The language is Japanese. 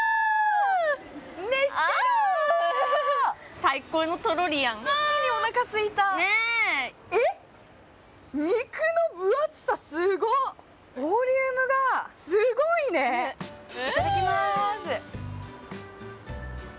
最高のトロリやん一気におなかすいた肉の分厚さすごっボリュームがすごいねいただきます